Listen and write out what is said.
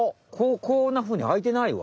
こんなふうにあいてないわ。